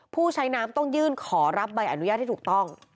ผู้ใช้น้ำต้องยื่นขอรับใบอนุญาตให้ถูกต้อง